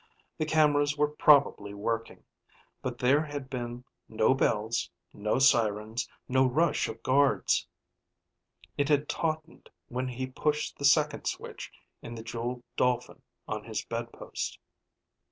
The cameras were probably working, but there had been no bells, no sirens, no rush of guards. It had tautened when he pushed the second switch in the jeweled dolphin on his bedpost.